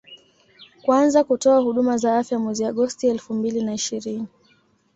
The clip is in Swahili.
kuanza kutoa huduma za afya mwezi agosti elfu mbili na ishirini